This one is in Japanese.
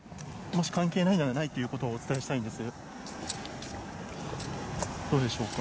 もし関係ないならないっていうことをお伝えしたいんです。